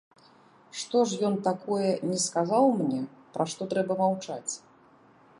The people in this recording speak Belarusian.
Што ж ён такое не сказаў мне, пра што трэба маўчаць?